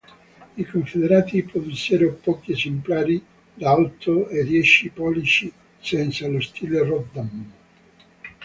I Confederati produssero pochi esemplari da otto e dieci pollici senza lo stile Rodman.